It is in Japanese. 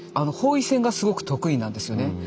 包囲戦がすごく得意なんですよね。